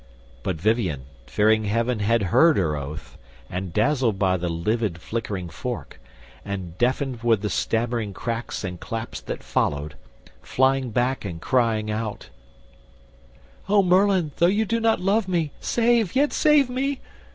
But Vivien, fearing heaven had heard her oath, And dazzled by the livid flickering fork, And deafened with the stammering cracks and claps That followed, flying back and crying out, "O Merlin, though you do not love me, save, Yet save me!"